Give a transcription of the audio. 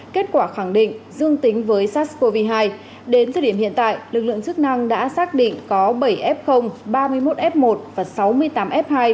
kết quả khẳng định dương tính với sars cov hai đến thời điểm hiện tại lực lượng chức năng đã xác định có bảy f ba mươi một f một và sáu mươi tám f hai